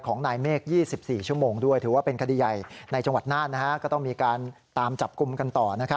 ของนายเมฆ๒๔ชั่วโมงด้วยถือว่าเป็นคดีใหญ่